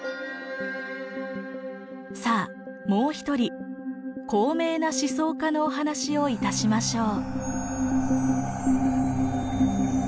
さあもう一人高名な思想家のお話をいたしましょう。